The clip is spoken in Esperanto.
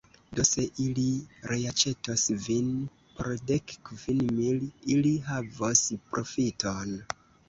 Do, se ili reaĉetos vin por dek kvin mil, ili havos profiton.